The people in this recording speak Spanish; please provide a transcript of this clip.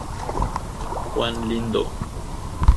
Juan Lindo."".